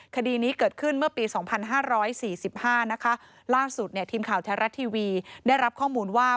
คดีนี้เกิดขึ้นเมื่อปี๒๕๔๕นะคะล่าสุดเนี่ยทีมข่าวแท้รัฐทีวีได้รับข้อมูลว่า